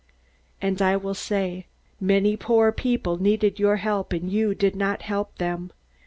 "And I will say: 'Many poor people needed your help, and you did not help them.